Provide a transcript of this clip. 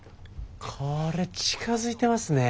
これ近づいてますね。